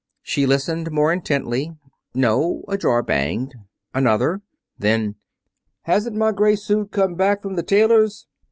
She listened more intently. No, a drawer banged. Another. Then: "Hasn't my gray suit come back from the tailor's?"